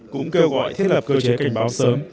cũng kêu gọi thiết lập cơ chế cảnh báo sớm